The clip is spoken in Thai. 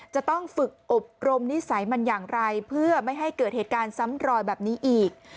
จะต้องฝึกอบรมนิสัยมันอย่างไรเพื่อไม่ให้เกิดเหตุการณ์ซ้ำรอยแบบนี้อีก